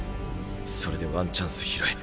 それでワンチャンス拾え。